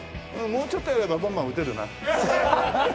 もうちょっとやればバンバン打てるな。